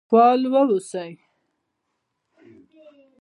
فعال و اوسئ